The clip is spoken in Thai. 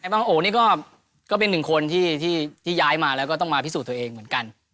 บางโอนี่ก็เป็นหนึ่งคนที่ย้ายมาแล้วก็ต้องมาพิสูจน์ตัวเองเหมือนกัน